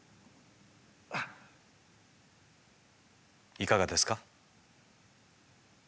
いかがですか？